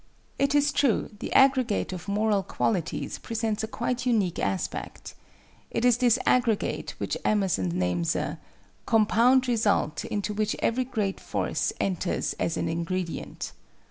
It is true the aggregate of moral qualities presents a quite unique aspect. It is this aggregate which Emerson names a "compound result into which every great force enters as an ingredient."